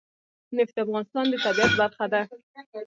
نفت د افغانستان د طبیعت برخه ده.